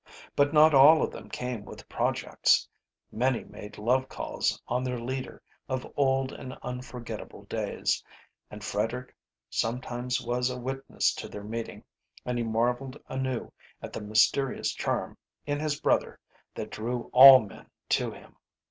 But not all of them came with projects. Many made love calls on their leader of old and unforgetable days, and Frederick sometimes was a witness to their meeting, and he marvelled anew at the mysterious charm in his brother that drew all men to him.